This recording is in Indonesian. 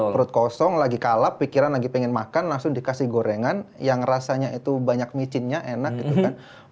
perut kosong lagi kalap pikiran lagi pengen makan langsung dikasih gorengan yang rasanya itu banyak micinnya enak gitu kan